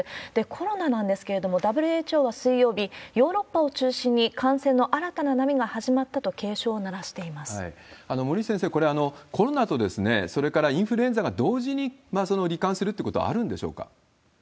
コロナなんですけれども、ＷＨＯは水曜日、ヨーロッパを中心に感染の新たな波が始まったと警鐘を鳴らしてい森内先生、これはコロナとそれからインフルエンザが同時にり患するってことはあるんでしょうか？